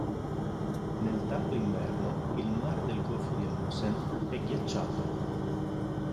Nel tardo inverno il mare del golfo di Amundsen è ghiacciato.